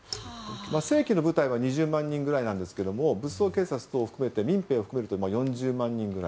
正規の部隊は２０万人くらいなんですが武装警察、民兵等を含めると４０万人ぐらい。